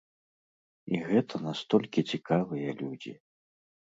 І гэта настолькі цікавыя людзі!